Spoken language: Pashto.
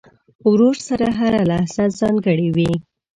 ورور سره هره لحظه ځانګړې وي.